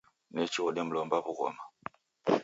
Nechi odemlomba w'ughoma.